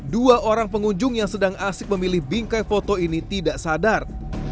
dua orang pengunjung yang sedang asik memilih bingkai foto ini tidak sadar